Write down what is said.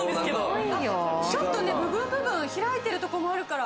ちょっとね部分部分開いてるとこもあるから。